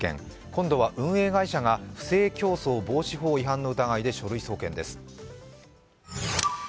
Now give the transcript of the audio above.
今度は運営会社が不正競争防止法違反の疑いで書類送検です。